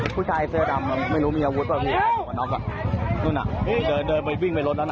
ผู้ชายเสื้อดำไม่รู้มีอาวุธปะพี่นั่นน่ะเดินไปวิ่งไปรถนั้นอ่ะ